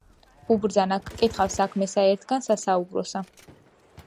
უბრძანა: "გკითხავ საქმესა, ერთგან სასაუბნაროსა: